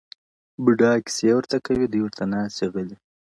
بوډا کیسې ورته کوي دوی ورته ناست دي غلي٫